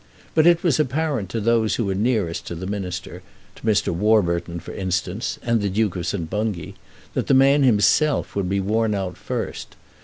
But it was apparent to those who were nearest to the minister, to Mr. Warburton, for instance, and the Duke of St. Bungay, that the man himself would be worn out first.